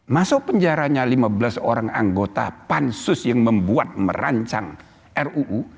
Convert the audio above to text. masuk penjaranya lima belas orang anggota pansus yang membuat merancang ruu